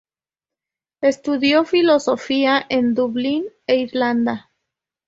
Estudio Filosofía en Dublín e Irlanda.